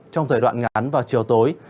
trong thời đoạn ngắn và chiều tối